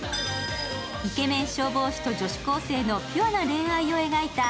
イケメン消防士と女子高生のピュアな恋愛を描いた